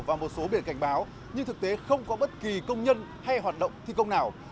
và một số biển cảnh báo nhưng thực tế không có bất kỳ công nhân hay hoạt động thi công nào